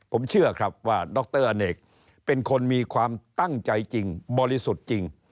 ผมเชื่อครับว่าดรอเนกเป็นคนมีความตั้งใจจริงบริสุทธิ์จริง